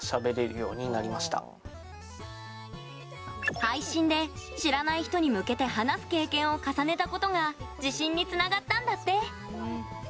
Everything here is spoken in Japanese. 部活の配信で知らない人に向けて話す経験を重ねたことが自信につながったんだって。